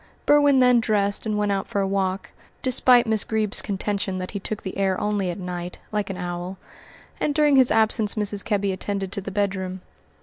Berwin then dressed and went out for a walk, despite Miss Greeb's contention that he took the air only at night, like an owl, and during his absence Mrs. Kebby attended to the bedroom.